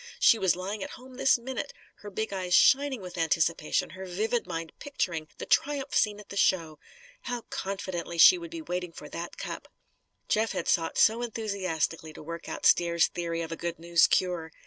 She was lying at home, this minute, her big eyes shining with anticipation, her vivid mind picturing the triumph scene at the show. How confidently she would be waiting for that cup! Jeff had sought so enthusiastically to work out Stair's theory of a "good news" cure!